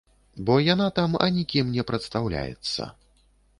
Бо яна там анікім не прадстаўляецца.